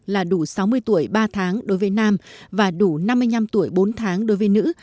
là đủ sáu mươi tuổi ba tháng đối với nam và đủ năm mươi năm tuổi bốn tháng đối với nữ